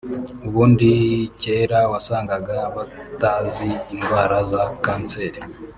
ubundi kera wasangaga batazi indwara za kanseri